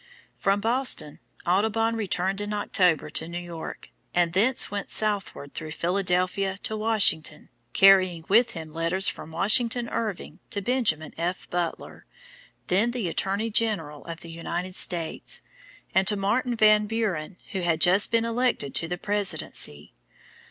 From Boston Audubon returned in October to New York, and thence went southward through Philadelphia to Washington, carrying with him letters from Washington Irving to Benjamin F. Butler, then the Attorney General of the United States, and to Martin Van Buren who had just been elected to the presidency.